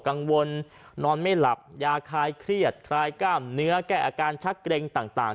นอนไม่หลับยาคลายเครียดคลายกล้ามเนื้อแก้อาการชักเกร็งต่าง